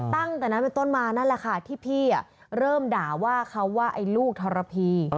ตั้งแต่นั้นเป็นต้นมานั่นแหละค่ะที่พี่เริ่มด่าว่าเขาว่าไอ้ลูกทรพี